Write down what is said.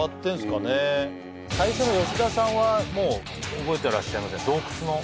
最初の吉田さんは覚えてらっしゃいません？